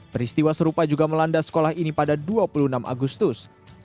peristiwa serupa juga melanda sekolah ini pada dua puluh enam agustus